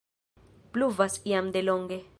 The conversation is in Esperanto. Pluvas jam de longe.